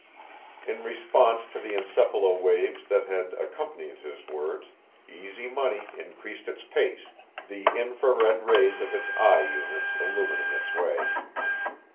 In response to the encephalo waves that had accompanied his words, Easy Money increased its pace, the infra red rays of its eye units illumining its way.